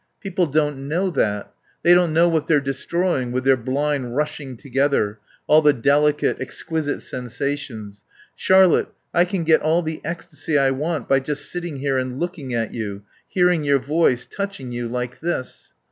People don't know that. They don't know what they're destroying with their blind rushing together. All the delicate, exquisite sensations. Charlotte, I can get all the ecstasy I want by just sitting here and looking at you, hearing your voice, touching you like this."